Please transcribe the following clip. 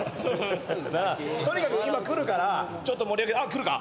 とにかく今来るからちょっと盛り上げ来るか？